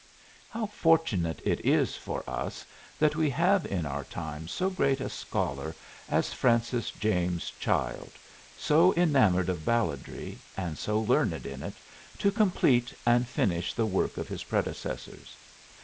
How fortunate it is for us that we have in our time so great a scholar as Francis James Child, so enamored of balladry and so learned in it, to complete and finish the work of his predecessors.